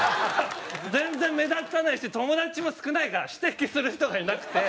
全然目立たないし友達も少ないから指摘する人がいなくて。